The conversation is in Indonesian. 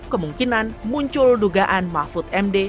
kemungkinan muncul dugaan mahfud md